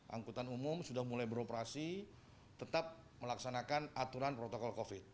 angkutan umum sudah mulai beroperasi tetap melaksanakan aturan protokol covid